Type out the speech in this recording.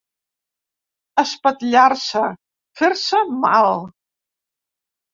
Espatllar-se, fer-se mal.